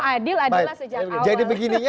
adil adalah sejak awal jadi begininya